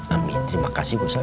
amin terima kasih kusoy